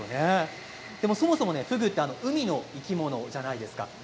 そもそもフグは海の生き物じゃないですか。